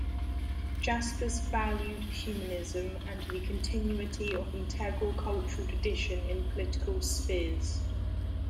Jaspers valued humanism and the continuity of integral cultural tradition in political spheres.